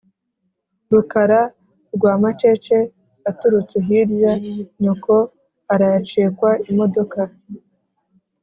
Rukara rw'amacece aturutse hirya nyoko arayacekwa.-Imodoka.